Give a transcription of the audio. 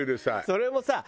それもさ